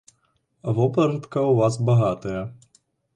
Вопратка ў вас багатая.